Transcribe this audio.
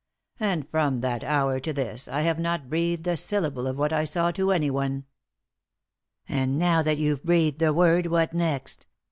And from that hour to this I have not breathed a syllable of what 1 saw to anyone." "And now that you've breathed a word, what next